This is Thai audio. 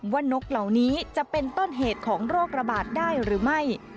นกเหล่านี้จะเป็นต้นเหตุของโรคระบาดได้หรือไม่